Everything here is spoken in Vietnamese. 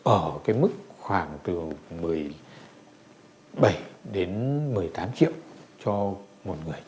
ở cái mức khoảng từ một mươi bảy đến một mươi tám triệu cho một người